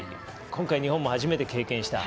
今回、日本も初めて経験した